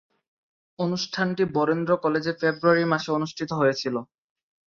অনুষ্ঠানটি বরেন্দ্র কলেজে ফেব্রুয়ারি মাসে অনুষ্ঠিত হয়েছিলো।